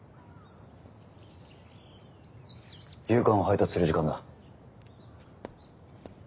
夕刊を配達する時間だ。